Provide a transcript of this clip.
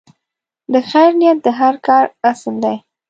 د خیر نیت د هر کار اصل دی.